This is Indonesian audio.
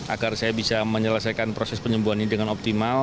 agar saya bisa menyelesaikan proses penyembuhan ini dengan optimal